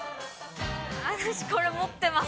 私、これ持ってます。